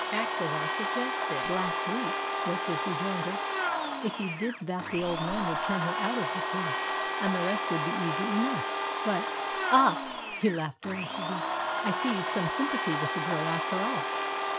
"Act as I suggested last week," was his rejoinder. "If you did that the old man would turn her out of the place, and the rest would be easy enough." "But " "Ah!" he laughed derisively, "I see you've some sympathy with the girl after all.